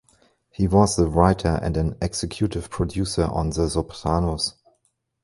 He was the writer and an executive producer on "The Sopranos".